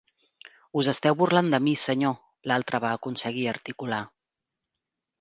Us esteu burlant de mi, senyor, l'altre va aconseguir articular.